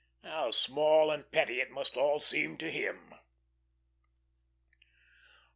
How small and petty it must all seem to him!